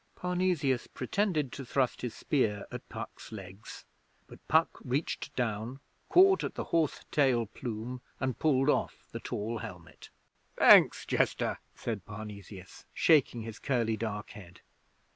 Parnesius pretended to thrust his spear at Puck's legs, but Puck reached down, caught at the horse tail plume, and pulled off the tall helmet. 'Thanks, jester,' said Parnesius, shaking his curly dark head.